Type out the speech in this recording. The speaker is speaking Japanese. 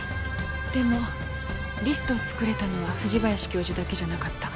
でもリストを作れたのは藤林教授だけじゃなかった。